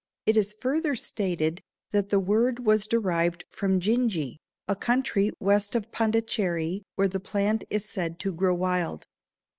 It is further stated that the word was derived from Gingi, a country west of Pondecheri where the plant is said to grow wild.